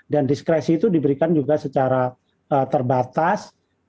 dan diskresi itu diberikan juga secara terbatas